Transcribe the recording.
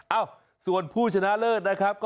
เอ้าส่วนผู้ชนะเลิศนะครับ